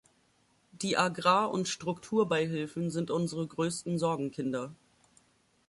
Die Agrar- und Strukturbeihilfen sind unsere größten Sorgenkinder.